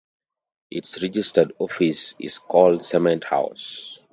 It's registered office is called Cement House.